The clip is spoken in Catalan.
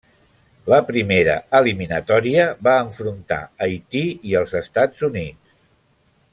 La primera eliminatòria va enfrontar Haití i els Estats Units.